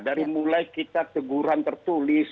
dari mulai kita teguran tertulis